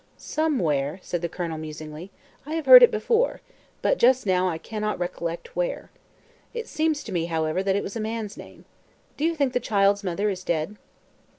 "Somewhere," said the Colonel, musingly, "I have heard it before, but just now I cannot recollect where. It seems to me, however, that it was a man's name. Do you think the child's mother is dead?"